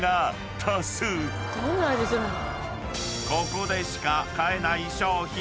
［ここでしか買えない商品］